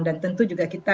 dan tentu juga kita